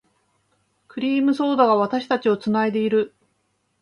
クリームソーダが、私たちを繋いでいる。